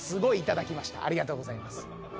頂きましたありがとうございます。